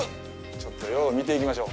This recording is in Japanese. ちょっと、よう見ていきましょう。